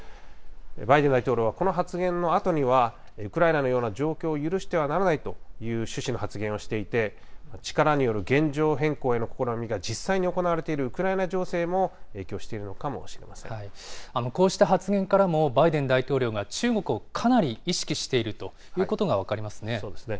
バイデン大統領はこの発言のあとには、ウクライナのような状況を許してはならないという趣旨の発言をしていて、力による現状変更への試みが実際に行われているウクライナ情勢もこうした発言からも、バイデン大統領が中国をかなり意識しているということが分かりますね。